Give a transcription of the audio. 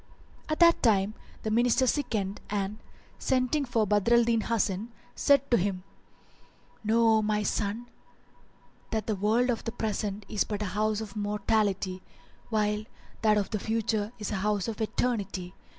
At that time the Minister sickened and, sending for Badr al Din Hasan, said to him, "Know, O my son, that the world of the Present is but a house of mortality, while that of the Future is a house of eternity.